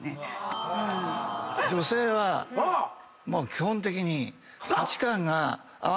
基本的に。